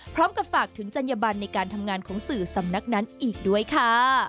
พร้อมกับฝากถึงจัญญบันในการทำงานของสื่อสำนักนั้นอีกด้วยค่ะ